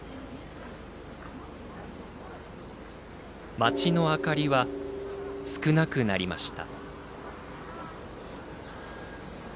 街の明かりは少なくなりました。